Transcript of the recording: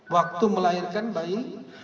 waktu melahirkan bayi